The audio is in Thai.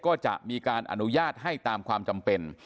ก็จะมีการอนุญาตให้ตามความจำเป็น